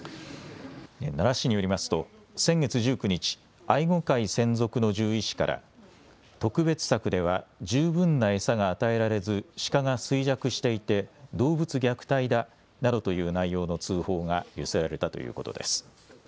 奈良市によりますと先月１９日、愛護会専属の獣医師から特別柵では十分な餌が与えられずシカが衰弱していて動物虐待だなどという内容の通報が寄せられたということです。